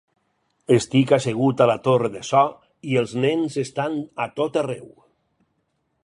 Estic assegut a la torre de so, i els nens estan a tot arreu.